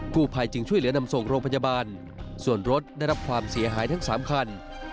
ผู้ภัยจึงช่วยเหลือนำส่งโรงพยาบาลส่วนรถได้รับความเสียหายทั้ง๓คัน